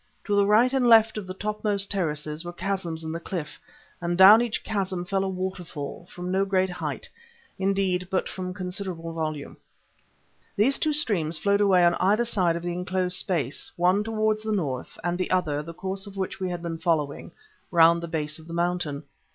To the right and left of the topmost terrace were chasms in the cliff, and down each chasm fell a waterfall, from no great height, indeed, but of considerable volume. These two streams flowed away on either side of the enclosed space, one towards the north, and the other, the course of which we had been following, round the base of the mountain.